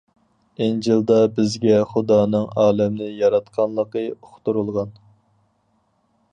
ئىنجىلدا بىزگە خۇدانىڭ ئالەمنى ياراتقانلىقى ئۇقتۇرۇلغان.